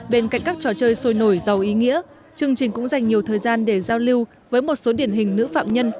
bên cạnh các trò chơi sôi nổi giàu ý nghĩa chương trình cũng dành nhiều thời gian để giao lưu với một số điển hình nữ phạm nhân